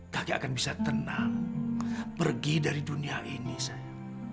kakek akan bisa tenang pergi dari dunia ini sayang